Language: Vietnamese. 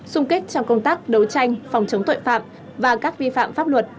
xung kích trong công tác đấu tranh phòng chống tội phạm và các vi phạm pháp luật